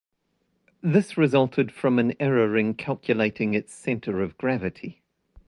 This resulted from an error in calculating its centre of gravity.